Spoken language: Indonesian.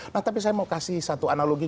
nah tapi saya mau kasih satu analogi